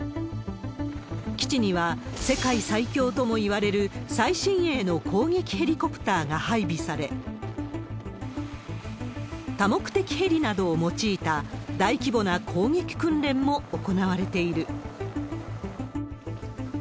基地には、世界最強ともいわれる最新鋭の攻撃ヘリコプターが配備され、多目的ヘリなどを用いた大規模な攻撃訓練も行われている。